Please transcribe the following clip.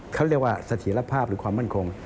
เขาเรียกว่าเสถียรภาพหรือความมั่นคง